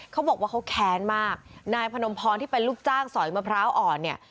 เขาบอกว่าเขาแค้นมากนายพนมพรที่เป็นลูกจ้างสอยมะพร้าวอ่อนเนี่ย